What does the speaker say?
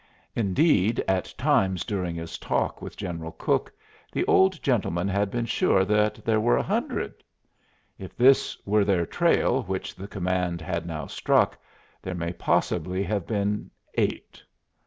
Indeed, at times during his talk with General Crook the old gentleman had been sure there were a hundred. If this were their trail which the command had now struck, there may possibly have been eight.